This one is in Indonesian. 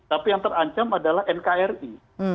tapi yang terancam adalah nkri